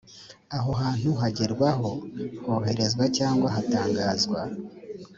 aho hantu hagerwaho, hoherezwa cyangwa hatangazwa